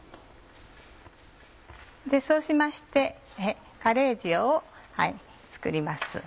そうしましてカレー塩を作ります。